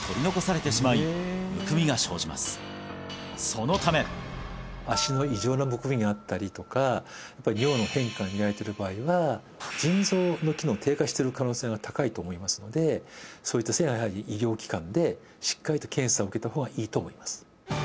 そのため足の異常なむくみがあったりとか尿の変化が見られてる場合は腎臓の機能低下している可能性が高いと思いますのでそういった際にはやはり医療機関でしっかりと検査を受けた方がいいと思います